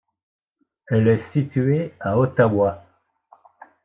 Elle est située à Ottawa.